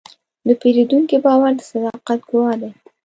د پیرودونکي باور د صداقت ګواه دی.